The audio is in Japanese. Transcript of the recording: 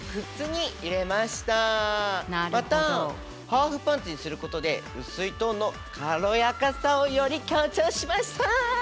またハーフパンツにすることでうすいトーンの軽やかさをより強調しました。